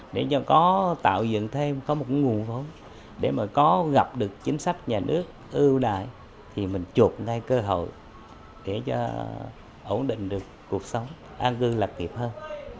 để cho có tạo dựng thêm có một nguồn vốn để mà có gặp được chính sách nhà nước ưu đại thì mình chụp ngay cơ hội để cho ổn định được cuộc sống an cư lạc nghiệp hơn